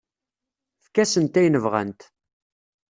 Efk-asent ayen bɣant.